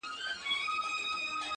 تل به غلام وي د ګاونډیانو -